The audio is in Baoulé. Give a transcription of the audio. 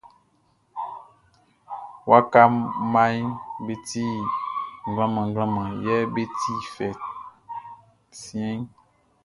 Waka mmaʼm be ti mlanmlanmlan yɛ be ti fɛ siɛnʼn.